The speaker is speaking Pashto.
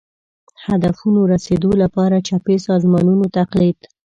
هدفونو رسېدو لپاره چپي سازمانونو تقلید